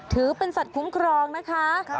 ถือเป็นสัตว์คุ้มครองนะคะ